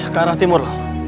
ke arah timur